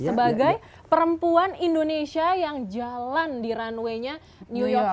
sebagai perempuan indonesia yang jalan di runway nya new york